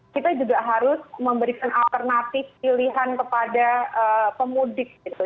kita juga harus memberikan alternatif pilihan kepada pemudik gitu